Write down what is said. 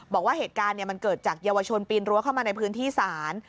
บอกว่าเหตุการณ์มันเกิดจากเยาวชนปีนรั้วเข้ามาในพื้นที่ศาล